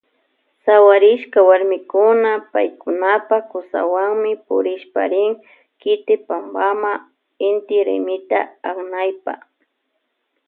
Sawarishka warmikuna paykunapa kusawanmi purishpa rin kiti pampama inti raymita aknaypa.